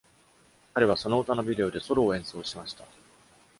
彼はその歌のビデオでソロを演奏しました。